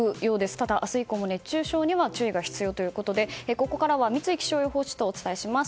ただ明日以降も熱中症には注意が必要ということでここからは三井気象予報士とお伝えします。